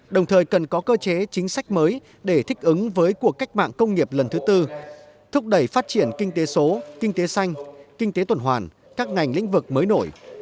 đồng thời cần có cơ chế chính sách mới để thích ứng với cuộc cách mạng công nghiệp lần thứ tư thúc đẩy phát triển kinh tế số kinh tế xanh kinh tế tuần hoàn các ngành lĩnh vực mới nổi